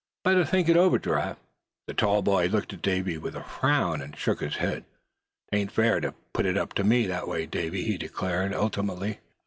Better think it over, Giraffe." The tall boy looked at Davy with a frown, and shook his head. "'Tain't fair to put it up to me that way, Davy," he declared, obstinately.